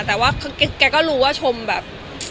แต่ว่าแกก็รู้ว่าชมแบบ